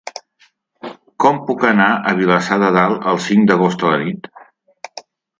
Com puc anar a Vilassar de Dalt el cinc d'agost a la nit?